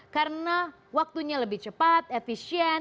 karena waktunya lebih cepat efisien